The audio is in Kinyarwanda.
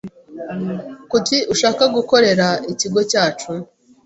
Kuki ushaka gukorera ikigo cyacu?